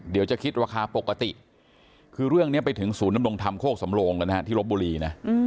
เดี๋ยวจะคิดราคาปกติคือเรื่องนี้ไปถึงศูนย์นำรงธรรมโคกสำโลงที่ลบบุรีนะ